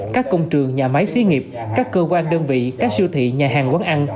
các công trường nhà máy xí nghiệp các cơ quan đơn vị các siêu thị nhà hàng quán ăn